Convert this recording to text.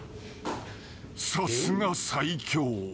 ［さすが最強。